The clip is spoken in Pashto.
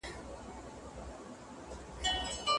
هغه په ناسم ځای کي نه پاته کېږي.